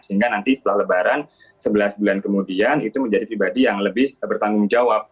sehingga nanti setelah lebaran sebelas bulan kemudian itu menjadi pribadi yang lebih bertanggung jawab